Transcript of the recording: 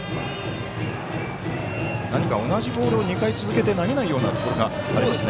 何か同じボールを２回続けて投げないような感じですね。